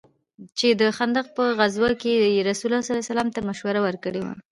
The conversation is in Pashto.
چې د خندق په غزوه كښې يې رسول الله ته مشوره وركړې وه.